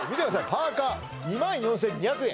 パーカー２４２００円